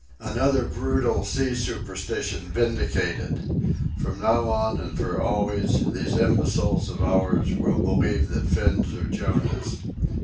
Another brutal sea superstition vindicated. From now on and for always these imbeciles of ours will believe that Finns are Jonahs.